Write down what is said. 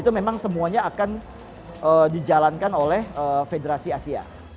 itu memang semuanya akan dijalankan oleh federasi asia